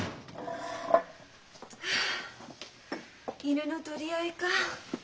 犬の取り合いか。